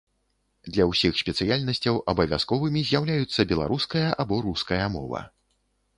Для ўсіх спецыяльнасцяў абавязковымі з'яўляюцца беларуская або руская мова.